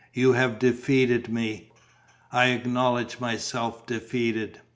You have defeated me: I acknowledge myself defeated."